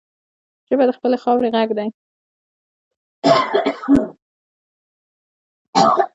ژبه د خپلې خاورې غږ دی